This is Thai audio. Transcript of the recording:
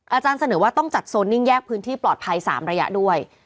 อาจารย์เสนอว่าต้องจัดโซนนิ่งแยกพื้นที่ปลอดภัย๓ระยะด้วย